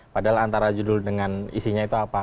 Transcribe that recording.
padahal antara judul dengan isinya itu apa